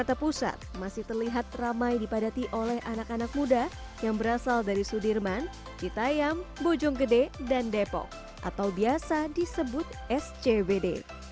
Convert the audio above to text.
jakarta pusat masih terlihat ramai dipadati oleh anak anak muda yang berasal dari sudirman citayam bojonggede dan depok atau biasa disebut scwd